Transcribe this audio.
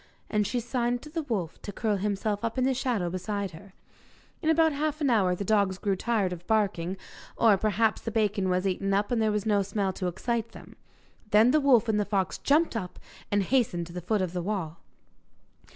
And she signed to the wolf to curl himself up in the shadow beside her. In about half an hour the dogs grew tired of barking, or perhaps the bacon was eaten up and there was no smell to excite them. Then the wolf and the fox jumped up, and hastened to the foot of the wall.